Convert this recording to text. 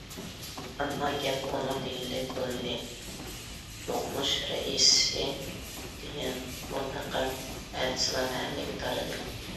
ئەمما گەپ ئۇنىڭ دېگىنىدەك بولمىدى،‹‹ دوقمۇش رەئىسى›› دېگەن بۇ لەقەم ئەتىسىلا مەھەللىگە تارىدى.